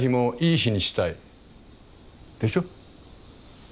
でしょ。